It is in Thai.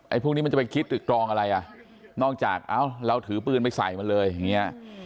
พวกนี้มันจะไปคิดตึกตรองอะไรอ่ะนอกจากเอ้าเราถือปืนไปใส่มันเลยอย่างนี้